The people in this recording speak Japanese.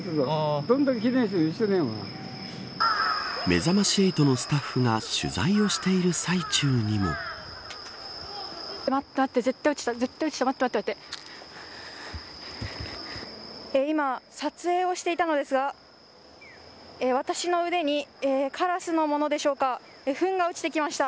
めざまし８のスタッフが取材を今、撮影をしていたのですが私の腕にカラスのものでしょうか。